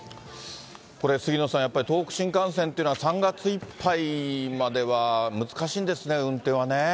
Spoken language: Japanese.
これ杉野さん、やっぱり東北新幹線というのは、３月いっぱいまでは難しいんですね、運転はね。